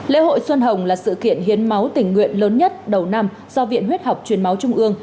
lễ hội xuân hồng là sự kiện hiến máu tình nguyện lớn nhất đầu năm do viện huyết học truyền máu trung ương